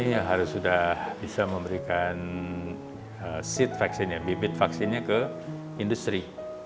kita harus sudah bisa memberikan seed vaksinnya bibit vaksinnya ke industri